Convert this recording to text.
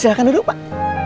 silahkan duduk pak